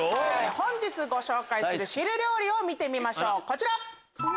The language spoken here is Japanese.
本日ご紹介する汁料理を見てみましょうこちら。